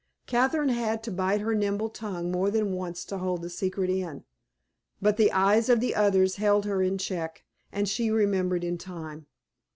Catherine had to bite her nimble tongue more than once to hold the secret in, but the eyes of the others held her in check, and she remembered in time.